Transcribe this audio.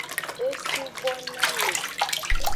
E subo na me.